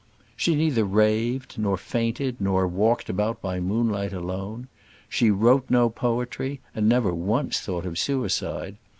She neither raved, nor fainted, nor walked about by moonlight alone. She wrote no poetry, and never once thought of suicide.